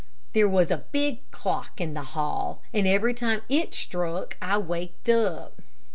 There was a big clock in the hall, and every time it struck I waked up.